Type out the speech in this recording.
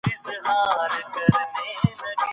غصه د بنده ایمان کمزوری کوي.